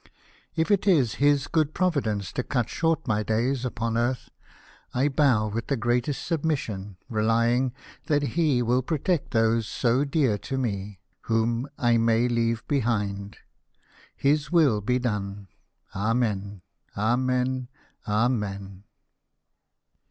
If it is His good providence to cut short my days upon earth, I bow with the greatest submission, relying that He will protect those so dear to me. DEPARTURE FROM PORTSMOUTH. 299 whom I may leave behind ! His will be done ! Amen ! Amen ! Amen